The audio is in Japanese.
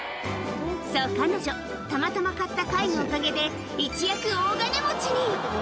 そう、彼女、たまたま買った貝のおかげで、一躍、大金持ちに。